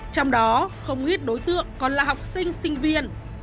trong đó không ít đối tượng còn là học sinh sinh viên